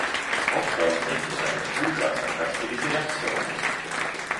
Foto on tekitanud hulga sarkastilisi reaktsioone.